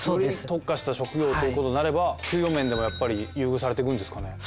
より特化した職業ということになれば給与面でもやっぱり優遇されてくんですかね。